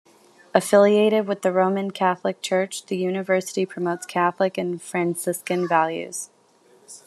Affiliated with the Roman Catholic Church, the university promotes Catholic and Franciscan values.